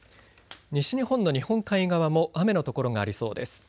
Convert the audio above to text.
西日本の日本海側も雨の所がありそうです。